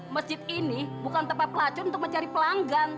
mesjid ini bukan tempat pelacur untuk mencari pelanggan